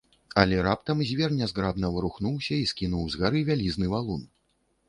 Але раптам звер нязграбна варухнуўся і скінуў з гары вялізны валун.